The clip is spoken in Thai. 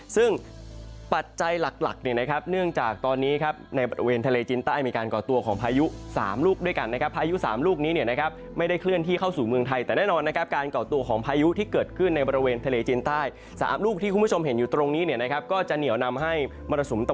ซึ่งปัจจัยหลักหลักเนี่ยนะครับเนื่องจากตอนนี้ครับในบริเวณทะเลจีนใต้มีการก่อตัวของพายุ๓ลูกด้วยกันนะครับพายุ๓ลูกนี้เนี่ยนะครับไม่ได้เคลื่อนที่เข้าสู่เมืองไทยแต่แน่นอนนะครับการก่อตัวของพายุที่เกิดขึ้นในบริเวณทะเลจีนใต้๓ลูกที่คุณผู้ชมเห็นอยู่ตรงนี้เนี่ยนะครับก็จะเหนียวนำให้มรสุมต